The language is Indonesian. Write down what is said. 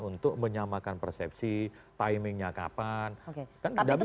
untuk menyamakan persepsi timingnya kapan kan tidak bisa